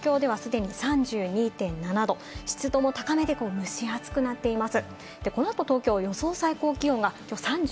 この時間、東京では既に３２．７度、湿度も高めで蒸し暑くなっています。